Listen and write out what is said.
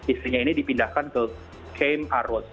istrinya di pindahkan kepada camp aroz